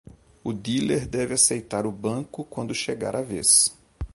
O dealer deve aceitar o banco quando chegar a vez.